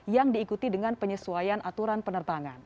yang diikuti dengan penyesuaian aturan penerbangan